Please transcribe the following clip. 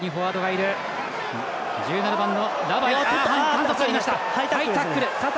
反則がありました。